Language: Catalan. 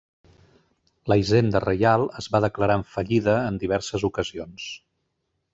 La Hisenda Reial es va declarar en fallida en diverses ocasions.